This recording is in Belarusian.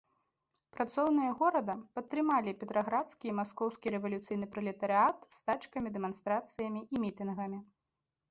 Працоўныя горада падтрымалі петраградскі і маскоўскі рэвалюцыйны пралетарыят стачкамі, дэманстрацыямі і мітынгамі.